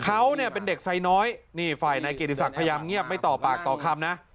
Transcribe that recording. เขาเนี่ยเป็นเด็กไซน้อยนี่ฝ่ายนายเกียรติศักดิ์พยายามเงียบไม่ต่อปากต่อคำนะ